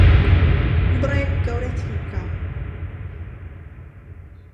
بڕێک گەورەتری بکە.